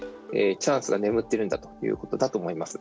チャンスが眠ってるんだということだと思います。